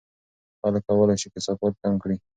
خلک کولای شي کثافات کم کړي.